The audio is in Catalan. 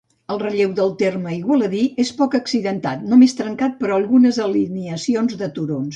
El relleu del terme igualadí és poc accidentat, només trencat per algunes alineacions de turons.